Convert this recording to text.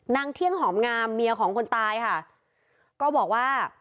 นางเที่ยงหอมงามเมียของคนตายค่ะก็บอกว่า